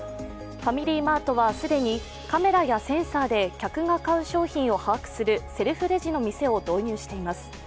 ファミリーマートは既にカメラやセンサーで客が買う商品を把握するセルフレジの店を導入しています。